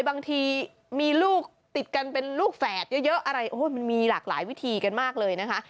บางทีมีลูกติดกันเป็นลูกแฝดเยอะมีหลากหลายวิธีกันมากเลยนะคะ